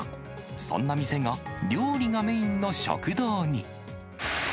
そんな店が、料理がメインの食堂に。